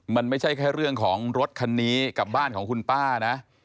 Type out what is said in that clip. มันไม่ใช่แค่เรื่องของรถคันนี้กับบ้านของคุณป้านะ